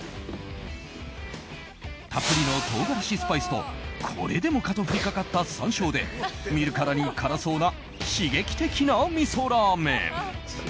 たっぷりの唐辛子スパイスとこれでもかと振りかかった山椒で見るからに辛そうな刺激的なみそラーメン。